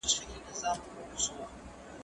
زه اجازه لرم چي لوښي وچوم؟!